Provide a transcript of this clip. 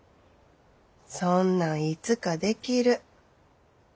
そんなんいつかできる。